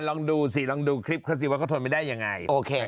ลองดูสิลองดูคลิปเขาสิว่าเขาทนไม่ได้ยังไงโอเค